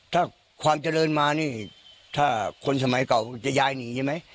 ถ้าความเจริญมานี่ถ้าคนสมัยเก่าจะย้ายหนีใช่ไหม